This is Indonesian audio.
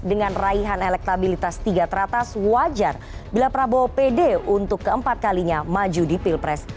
dengan raihan elektabilitas tiga teratas wajar bila prabowo pede untuk keempat kalinya maju di pilpres